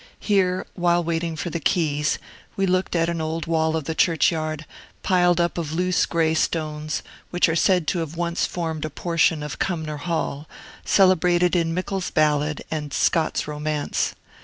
Here, while waiting for the keys, we looked at an old wall of the churchyard, piled up of loose gray stones which are said to have once formed a portion of Cumnor Hall, celebrated in Mickle's ballad and Scott's romance.